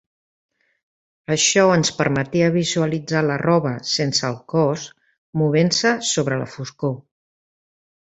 Això ens permetia visualitzar la roba, sense el cos, movent-se sobre la foscor.